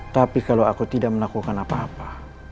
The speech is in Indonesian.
tapi kalau aku tidak melakukan apa apa